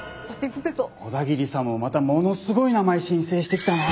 小田切さんもまたものすごい名前申請してきたな！